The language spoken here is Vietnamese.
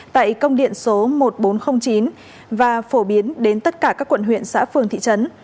tại công điện số một nghìn bốn trăm linh chín và phổ biến đến tất cả các quận huyện xã phường thị trấn